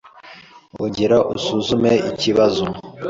Ongera usuzume ikibazo.